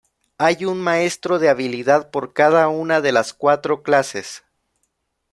Hay un maestro de habilidad por cada una de las cuatro clases.